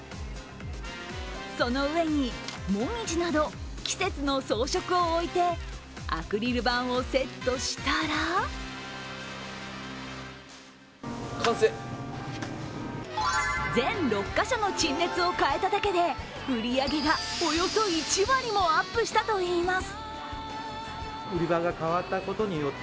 その上に、紅葉など季節の装飾を置いてアクリル板をセットしたら全６か所の陳列を変えただけで売り上げがおよそ１割もアップしたといいます。